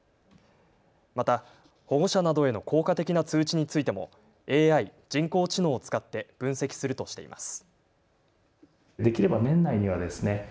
また保護者などへの効果的な通知についてもＡＩ・人工知能を使って分析するとしています。